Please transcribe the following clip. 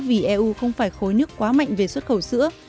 vì eu không phải khối nước quá mạnh về xuất khẩu sữa